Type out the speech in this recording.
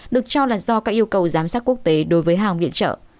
được cho là do các yêu cầu giám sát quốc tế đối với hàng viện trợ